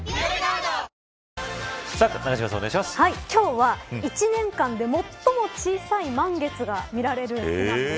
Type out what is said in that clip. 今日は１年間で最も小さい満月が見られる日なんです。